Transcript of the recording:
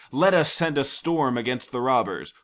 "Let us send a storm against the robbers.